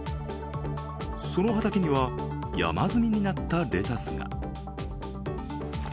その畑には山積みになったレタスが。